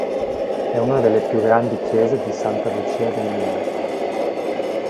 È una delle più grandi chiese di Santa Lucia del Mela.